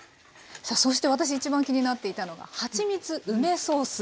さあそして私一番気になっていたのがはちみつ梅ソース